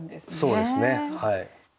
そうですねはい。